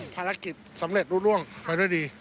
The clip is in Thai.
ภารกิจสำเร็จลุ่งมาด้วยดี